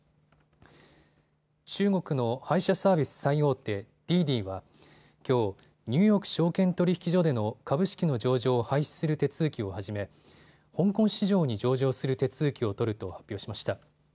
中国の配車サービス最大手、滴滴はきょう、ニューヨーク証券取引所での株式の上場を廃止する手続きを始め香港市場に上場する手続きを取ると発表しました。